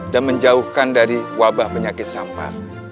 dan menjauhkan dari wabah penyakit sampah